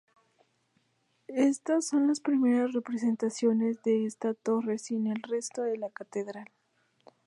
Estas son las primeras representaciones de esta torre sin el resto de la catedral.